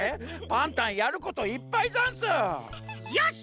パンタンやることいっぱいざんす！よし！